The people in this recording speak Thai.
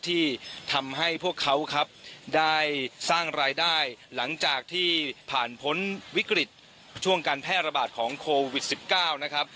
ที่ทำให้พวกเขาครับได้สร้างรายได้หลังจากที่ผ่านพ้นวิกฤตช่วงการแพร่ระบาดของโควิด๑๙นะครับ